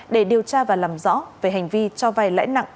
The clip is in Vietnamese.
để điều tra và làm rõ về hành vi cho vay lãi nặng